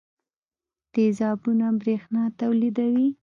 تیزابونه برېښنا تولیدوي.